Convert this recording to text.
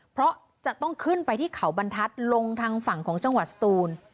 เพราะจะต้องขึ้นไปที่เขาบรรทัศน์ลงทางฝั่งของจังหวัดสตูน